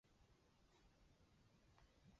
高梁蚜为常蚜科色蚜属下的一个种。